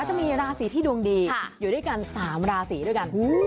จะมีราศีที่ดวงดีอยู่ด้วยกัน๓ราศีด้วยกัน